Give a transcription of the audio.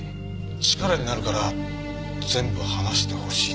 力になるから全部話してほしいと言われて。